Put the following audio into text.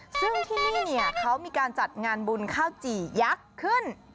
ซึ่งที่นี่เนี่ยเขามีการจัดงานบุญข้าวจี่ยักษ์ขึ้น